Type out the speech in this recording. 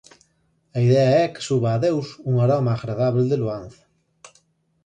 A idea é que suba a Deus un aroma agradábel de loanza.